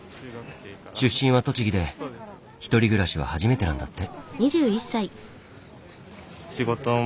出身は栃木で１人暮らしは初めてなんだって。